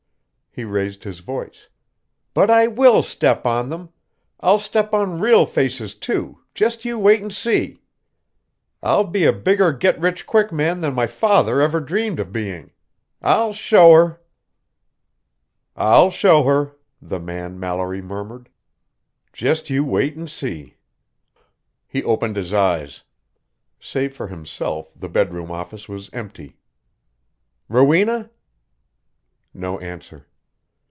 He raised his voice. "But I will step on them! I'll step on real faces too just you wait and see. I'll be a bigger get rich quickman than my father ever dreamed of being. I'll show her!" "I'll show her," the man Mallory murmured, "just you wait and see." He opened his eyes. Save for himself, the bedroom office was empty. "Rowena?" No answer.